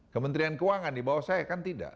kementerian keuangan di bawah saya kan tidak